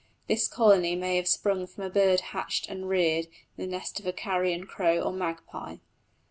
This colony may have sprung from a bird hatched and reared in the nest of a carrion crow or magpie.